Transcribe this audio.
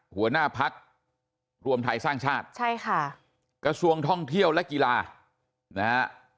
หัวหน้าพักรวมไทยสร้างชาติใช่ค่ะกระทรวงท่องเที่ยวและกีฬานะฮะ